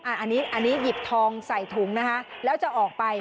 อันนี้หยิบทองใส่ถุงแล้วจะออกไป